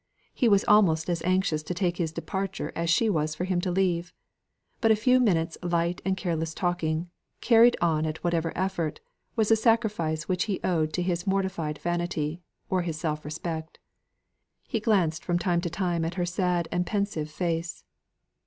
He was almost as anxious to take his departure as she was for him to leave; but a few minutes light and careless talking, carried on at whatever effort, was a sacrifice which he owed to his mortified vanity, or his self respect. He glanced from time to time at her sad and pensive face.